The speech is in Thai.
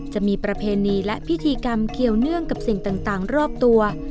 จะมีประเพณีและพิธีกรรมเกี่ยวเนื่องกับสิ่งต่างรอบตัว